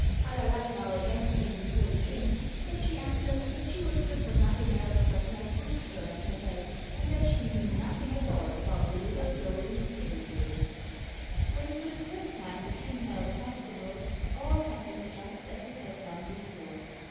Allerleirauh again came before the King, but she answered that she was good for nothing else but to have boots thrown at her head, and that she knew nothing at all about the little golden spinning wheel. When, for the third time, the King held a festival, all happened just as it had done before.